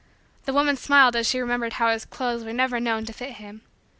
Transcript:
The woman smiled as she remembered how his clothes were never known to fit him.